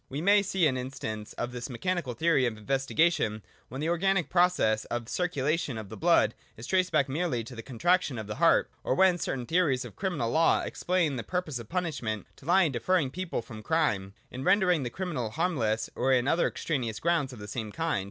We may see an instance of this mechanical theory of inves tigation, when the organic process of the circulation of the blood is traced back merely to the contraction of the heart ; or when certain theories of criminal law explain the pur pose of punishment to lie in deterring people from crime, in rendering the criminal harmless, or in other extraneous grounds of the same kind.